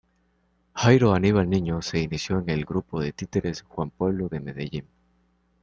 Jairo Aníbal Niño se inició en el Grupo de Títeres Juan Pueblo de Medellín.